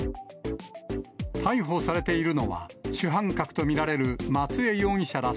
逮捕されているのは、主犯格と見られる松江容疑者ら